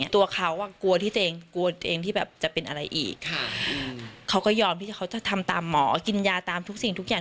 ตัวเขากลัวที่ตัวเองจะเป็นอะไรอีกเขาก็ยอมที่จะทำตามหมอกินยาตามทุกสิ่งทุกอย่าง